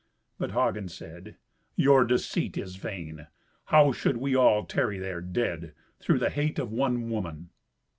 But Hagen said, "Your deceit is vain. How should we all tarry there, dead, through the hate of one woman?"